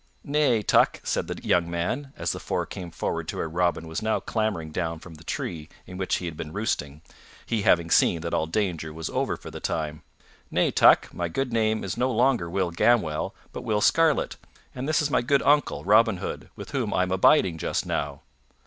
"Nay, Tuck," said the young man, as the four came forward to where Robin was now clambering down from the tree in which he had been roosting, he having seen that all danger was over for the time; "nay, Tuck, my name is no longer Will Gamwell, but Will Scarlet; and this is my good uncle, Robin Hood, with whom I am abiding just now."